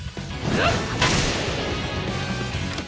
うっ。